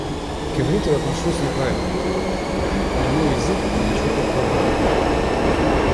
К ивриту я отношусь нейтрально. Не мой язык, но ничего плохого в нём нет.